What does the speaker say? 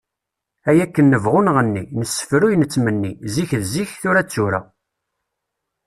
Ay akken nebɣu nɣenni, nessefruy nettmenni, zik d zik, tura d tura.